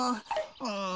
うん。